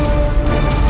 saya nunggu dia